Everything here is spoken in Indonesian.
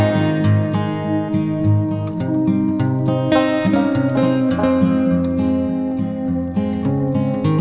sampai detik ini